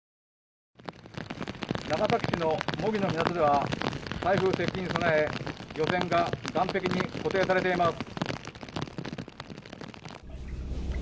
長崎市の茂木の港では台風接近に備え漁船が岸壁に固定されています。